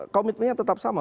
komitmennya tetap sama